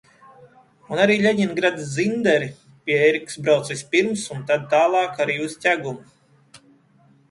Un arī Ļeņingradas Zinderi pie Ērikas brauc vispirms un tad tālāk arī uz Ķegumu.